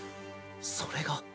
それが。